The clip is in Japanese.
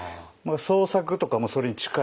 創作とかもそれに近い。